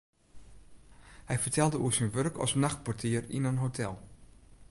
Hy fertelde oer syn wurk as nachtportier yn in hotel.